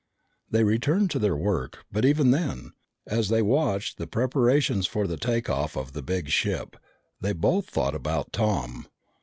They returned to their work, but even then, as they watched the preparations for the take off of the big ship, they both thought about Tom.